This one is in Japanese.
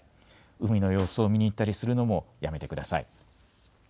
海の様子を見に行ったりするのもやめてください。